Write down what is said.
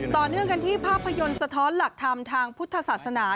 ต่อเนื่องกันที่ภาพยนตร์สะท้อนหลักธรรมทางพุทธศาสนา